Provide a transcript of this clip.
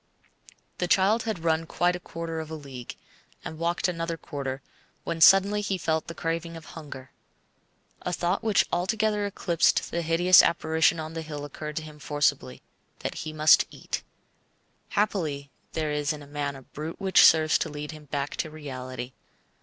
The child had run quite a quarter of a league, and walked another quarter, when suddenly he felt the craving of hunger. A thought which altogether eclipsed the hideous apparition on the hill occurred to him forcibly that he must eat. Happily there is in man a brute which serves to lead him back to reality.